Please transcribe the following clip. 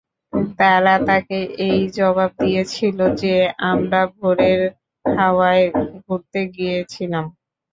তারা তাকে এই জবাব দিয়েছিল যে, আমরা ভোরের হাওয়ায় ঘুরতে গিয়েছিলাম।